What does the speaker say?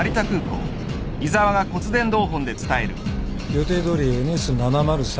予定どおりＮＳ７０３